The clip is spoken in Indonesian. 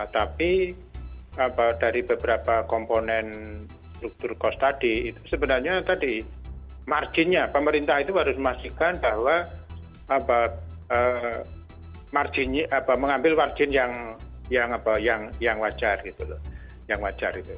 tapi dari beberapa komponen struktur kos tadi sebenarnya tadi marginnya pemerintah itu harus memastikan bahwa mengambil margin yang wajar